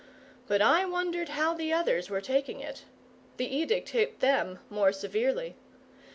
But I wondered how the others were taking it. The edict hit them more severely.